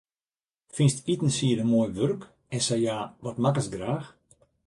Fynst itensieden moai wurk, en sa ja, wat makkest graach?